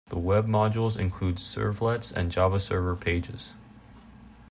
The Web modules include servlets and JavaServer Pages.